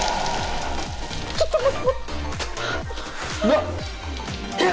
ちょっと待ってな！